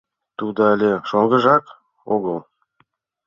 Тудо але шоҥгыжак огыл.